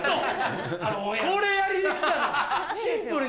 これやりに来たのに。